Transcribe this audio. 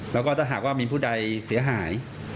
แล้วก็ถ้าหากว่ามีผู้ใดเสียหาย